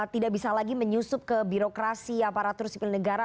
tidak bisa lagi menyusup ke birokrasi aparatur sipil negara